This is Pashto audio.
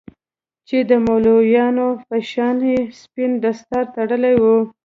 چې د مولويانو په شان يې سپين دستار تړلى و.